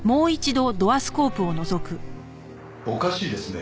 おかしいですね。